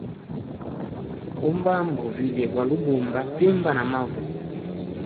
Umbambo vilye gwali ubamba timba na mavu.